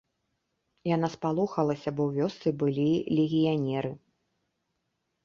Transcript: Яна спалохалася, бо ў вёсцы былі легіянеры.